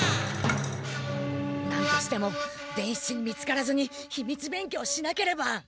何としても伝七に見つからずに秘密勉強しなければ！